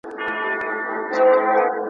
د سیاست د پایلو ارزونه د علم له لاري ممکنه ده.